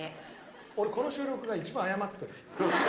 俺この収録が一番謝ってる。